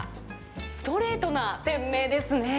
ストレートな店名ですね。